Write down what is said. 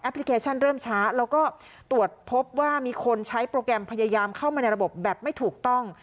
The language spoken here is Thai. พลิเคชันเริ่มช้าแล้วก็ตรวจพบว่ามีคนใช้โปรแกรมพยายามเข้ามาในระบบแบบไม่ถูกต้อง